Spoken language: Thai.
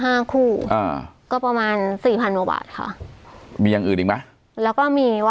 ห้าคู่อ่าก็ประมาณสี่พันกว่าบาทค่ะมีอย่างอื่นอีกไหมแล้วก็มีว่า